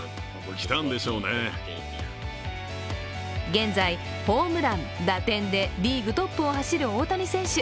現在、ホームラン、打点でリーグトップを走る大谷選手。